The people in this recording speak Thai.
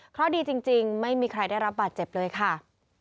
เพราะดีจริงไม่มีใครได้รับบาดเจ็บเลยค่ะ